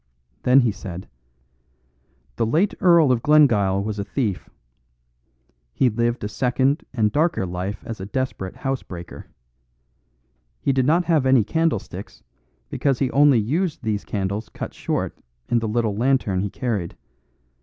Then he said, "The late Earl of Glengyle was a thief. He lived a second and darker life as a desperate housebreaker. He did not have any candlesticks because he only used these candles cut short in the little lantern he carried.